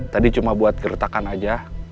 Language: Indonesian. tadi cuma buat gertakan aja